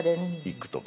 行くとか。